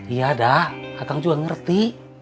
iya dah akang juga ngerti